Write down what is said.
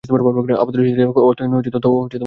আপাতদৃষ্টিতে অর্থহীন তথ্যও অর্থবহ হতে পারে।